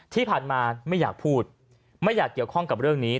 ที่ผ่านมาไม่อยากพูดไม่อยากเกี่ยวข้องกับเรื่องนี้